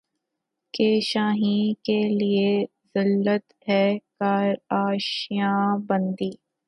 کہ شاہیں کیلئے ذلت ہے کار آشیاں بندی